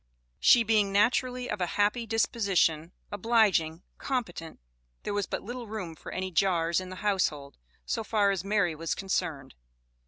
She being naturally of a happy disposition, obliging, competent, there was but little room for any jars in the household, so far as Mary was concerned.